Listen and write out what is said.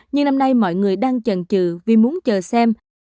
nhưng năm nay mọi người đang chần chừ vì muốn chờ xem